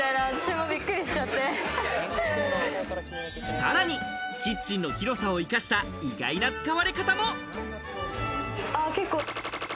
さらにキッチンの広さを生かした意外な使われ方も。